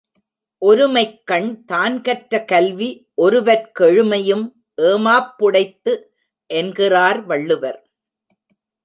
ஒருமைக்கண் தான்கற்ற கல்வி ஒருவற் கெழுமையும் ஏமாப் புடைத்து என்கிறார் வள்ளுவர்.